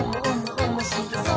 おもしろそう！」